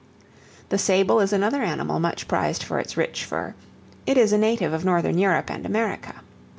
The sable is another animal much prized for its rich fur; it is a native of Northern Europe and America.